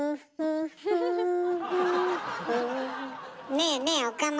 ねえねえ岡村。